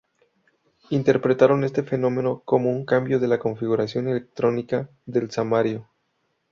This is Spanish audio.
Interpretaron este fenómeno como un cambio de la configuración electrónica del samario.